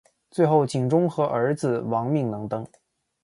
最后景忠和儿子亡命能登。